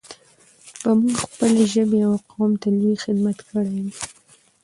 به موږ خپلې ژبې او قوم ته لوى خدمت کړى وي.